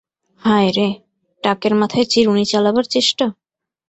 হায় রে, টাকের মাথায় চিরুনি চালাবার চেষ্টা!